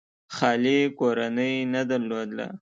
خالي کورنۍ نه درلوده.